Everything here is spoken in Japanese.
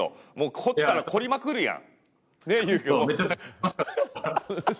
凝ったら凝りまくるやん。